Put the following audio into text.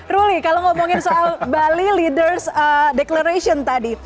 ruli kalau ngomongin soal bali leaders declaration tadi